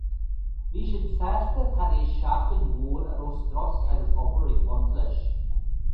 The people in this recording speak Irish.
Bhí siad sásta tar éis seachtain mhór a raibh strus agus obair ag baint leis.